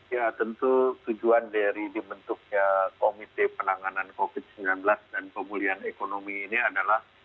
ya tentu tujuan dari dibentuknya komite penanganan covid sembilan belas dan pemulihan ekonomi ini adalah